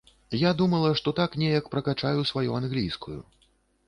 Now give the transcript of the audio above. Я думала, што так неяк пракачаю сваю англійскую.